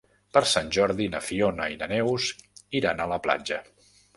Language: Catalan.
Per Sant Jordi na Fiona i na Neus iran a la platja.